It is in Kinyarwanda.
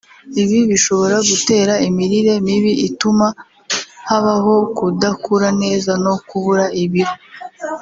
Ibi bishobora gutera imirire mibi ituma habaho kudakura neza no kubura ibiro